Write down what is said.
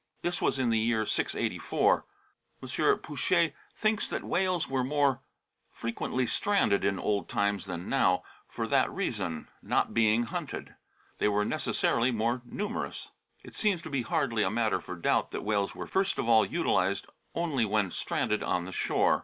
This was in the year 684. M. Pouchet thinks that whales were more frequently stranded in old times than now, for the reason that not being hunted they were necessarily more numerous. It seems to be hardly a matter for doubt that whales were first of all utilised only when stranded on the shore.